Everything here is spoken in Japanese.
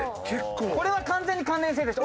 これは完全に関連性でしょ？